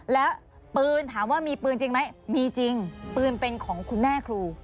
แล้วปืนถามว่ามีปืนจริงไหมมีจริงปืนเป็นของคุณแม่ครู